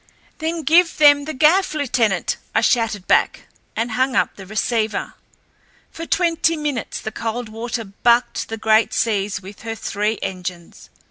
"Then give them the gaff, lieutenant," I shouted back, and hung up the receiver. For twenty minutes the Coldwater bucked the great seas with her three engines.